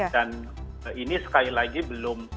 dan ini sekali lagi belum